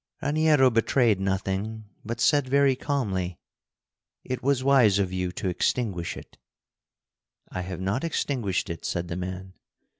Raniero betrayed nothing, but said very calmly: "It was wise of you to extinguish it." "I have not extinguished it," said the man.